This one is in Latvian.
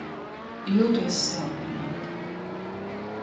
Jūtos sāpināta!